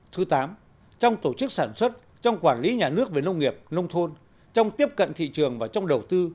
thứ tám trong tổ chức sản xuất trong quản lý nhà nước về nông nghiệp nông thôn trong tiếp cận thị trường và trong đầu tư